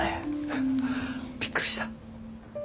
びっくりした。